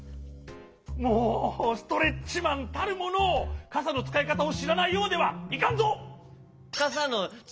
もうストレッチマンたるものかさのつかいかたをしらないようではいかんぞ！